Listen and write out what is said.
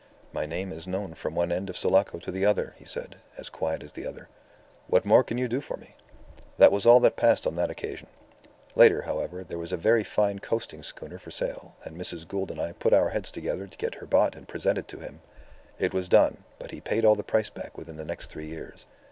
"'My name is known from one end of Sulaco to the other,' he said, as quiet as the other. 'What more can you do for me?' That was all that passed on that occasion. Later, however, there was a very fine coasting schooner for sale, and Mrs. Gould and I put our heads together to get her bought and presented to him. It was done, but he paid all the price back within the next three years.